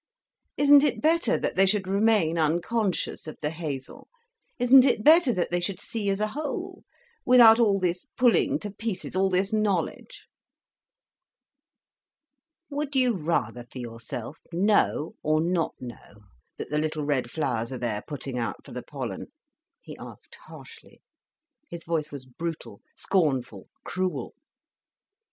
Isn't it better that they should remain unconscious of the hazel, isn't it better that they should see as a whole, without all this pulling to pieces, all this knowledge?" "Would you rather, for yourself, know or not know, that the little red flowers are there, putting out for the pollen?" he asked harshly. His voice was brutal, scornful, cruel.